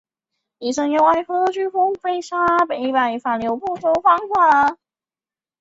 出生于阿塞拜疆沙姆基尔区的亚美尼亚人聚居的。